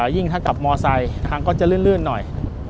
ยิ่งถ้ากลับมอไซค์ทางก็จะลื่นหน่อย